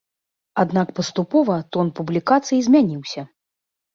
Аднак паступова тон публікацый змяніўся.